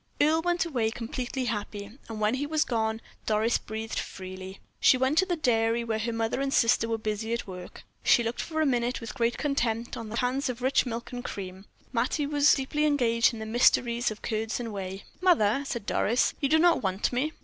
Earle went away completely happy, and when he was gone Doris breathed freely. She went to the dairy where her mother and sister were busy at work. She looked for a minute with great contempt on the cans of rich milk and cream. Mattie was deeply engaged in the mysteries of curds and whey. "Mother," said Doris, "you do not want me?"